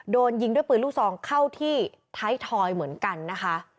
โดนยิงด้วยปืนลูกซองเข้าที่ท้ายทอยเหมือนกันนะคะ